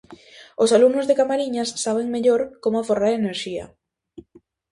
Os alumnos de Camariñas saben mellor como aforrar enerxía.